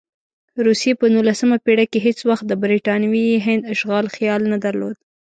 روسیې په نولسمه پېړۍ کې هېڅ وخت د برټانوي هند اشغال خیال نه درلود.